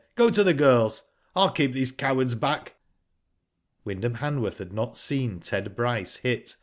Go to the girls. Pll keep these cowards back. Wyndham Hanworth had not seen Ted Bryce hit.